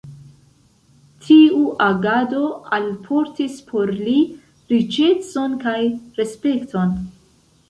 Tiu agado alportis por li riĉecon kj respekton.